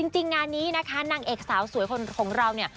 จริงงานนี้นะคะนางเอกสาวสวยของเราเนี่ย